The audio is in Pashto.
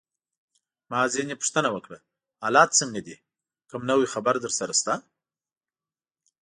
ما ځینې پوښتنه وکړه: حالات څنګه دي؟ کوم نوی خبر درسره شته؟